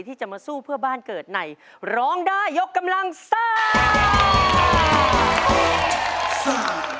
ที่จะมาสู้เพื่อบ้านเกิดในร้องได้ยกกำลังซ่า